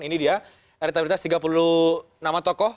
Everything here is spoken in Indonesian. ini dia elektabilitas tiga puluh nama tokoh